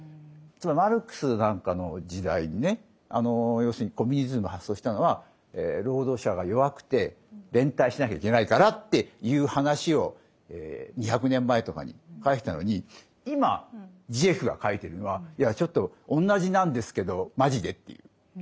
つまりマルクスなんかの時代にね要するにコミュニズムを発想したのは労働者が弱くて連帯しなきゃいけないからっていう話を２００年前とかに書いてたのに今ジジェクが書いてるのはちょっと同じなんですけどマジでっていう。